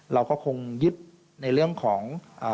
เราก็คงยึดในเรื่องของ